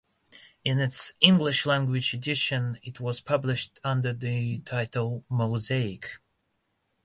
In its English-language edition it was published under the title "Mosaic".